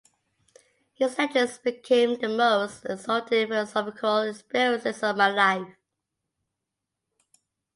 His lectures became the most exalted philosophical experiences of my life.